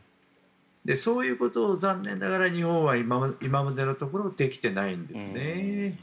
そういうことを残念ながら日本は今までのところできてないんですね。